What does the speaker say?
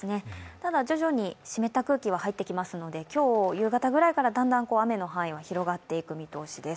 ただ、徐々に湿った空気は入ってきますので、今日夕方ぐらいからだんだん雨の範囲が広がっていく見通しです。